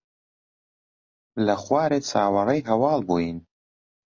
لە خوارێ چاوەڕێی هەواڵ بووین.